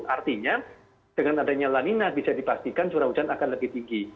artinya dengan adanya lanina bisa dipastikan curah hujan akan lebih tinggi